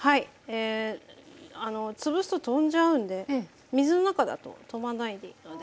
え潰すと飛んじゃうんで水の中だと飛ばないでいいので。